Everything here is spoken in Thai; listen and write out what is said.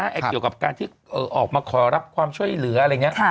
เกี่ยวกับการที่ออกมาขอรับความช่วยเหลืออะไรอย่างนี้